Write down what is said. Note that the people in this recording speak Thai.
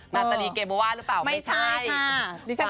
นาตาลีเกเบอร์ว่าหรือเปล่าไม่ใช่ค่ะฟ้าไม่ใช่ค่ะ